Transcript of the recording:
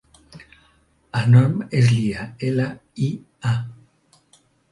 El nom és Lia: ela, i, a.